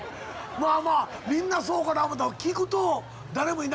まあまあみんなそうかな思ったら聞くと誰もいなかった。